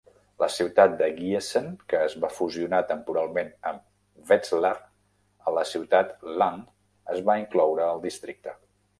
La ciutat de Giessen, que es va fusionar temporalment amb Wetzlar a la ciutat "Lahn", es va incloure al districte.